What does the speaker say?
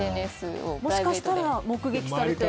もしかしたら目撃されて。